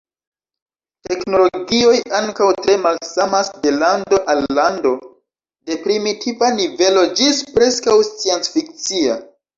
Teknologioj ankaŭ tre malsamas de lando al lando, de primitiva nivelo ĝis preskaŭ scienc-fikcia.